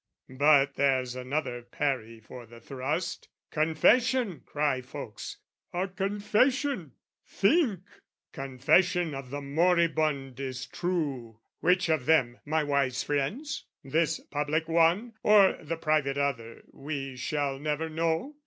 But there's another parry for the thrust. "Confession," cry folks "a confession, think! "Confession of the moribund is true!" Which of them, my wise friends? This public one, Or the private other we shall never know?